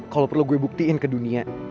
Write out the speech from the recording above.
kalau perlu gue buktiin ke dunia